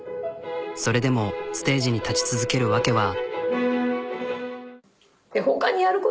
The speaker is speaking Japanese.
それでもステージに立ち続ける訳は。